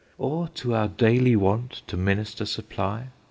Or to our daily want to minister supply?